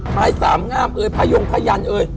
ไม้สามงามเอ่ยผ้ายงพยันเอ่ย